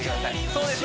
そうです